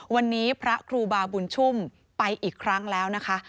วันนี้พระครูบาบุญชุ่มไปอีกครั้งแล้วนะคะ